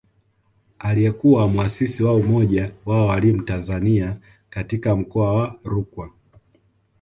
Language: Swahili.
Aliyekuwa mwasisi wa Umoja wa Walimu Tanzania katika Mkoa wa Rukwa